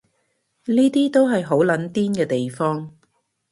呢啲都係好撚癲嘅地方